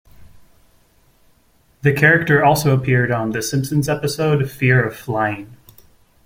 The character also appeared on "The Simpsons" episode "Fear of Flying".